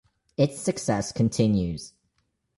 Its success continues.